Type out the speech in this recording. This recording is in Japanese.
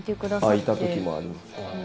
いた時もあります。